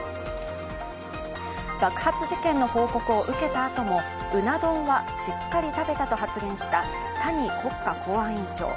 爆発事件の報告を受けたあともうな丼はしっかり食べたと発言した谷国家公安委員長。